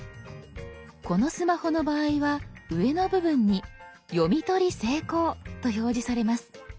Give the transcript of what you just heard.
このスマホの場合は上の部分に「読み取り成功」と表示されます。